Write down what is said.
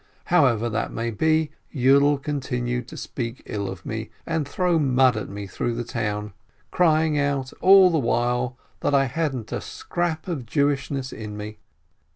However that may be, Yiidel continued to speak ill of me, and throw mud at me through the town; crying out all the while that I hadn't a scrap of Jewishness in me.